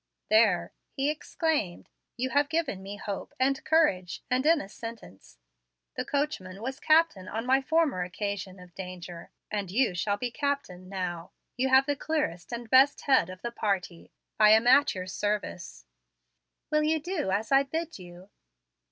"There!" he exclaimed, "you have given me hope and courage, and in a sentence. The coachman was captain on my former occasion of danger, and you shall be captain now. You have the clearest and best head of the party. I am at your service." "Will you do as I bid you?"